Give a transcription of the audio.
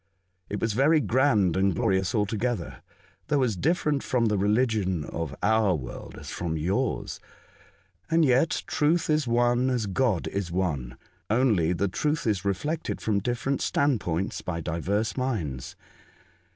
It was very grand and glorious altogether, though as different from the religion of our world as from yours. And yet truth is one as God is one, only the truth is reflected from different standpoints by divers minds.